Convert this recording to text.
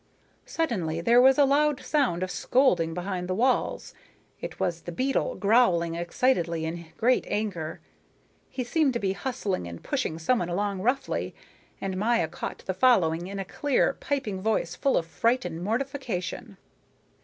Suddenly there was a loud sound of scolding behind the walls. It was the beetle growling excitedly in great anger. He seemed to be hustling and pushing someone along roughly, and Maya caught the following, in a clear, piping voice full of fright and mortification.